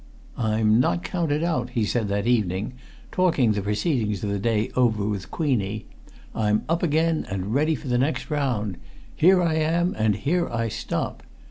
"I'm not counted out!" he said that evening, talking the proceedings of the day over with Queenie. "I'm up again and ready for the next round. Here I am, and here I stop!